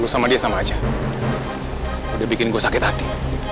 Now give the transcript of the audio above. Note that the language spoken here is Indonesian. sama dia sama aja udah bikin gue sakit hati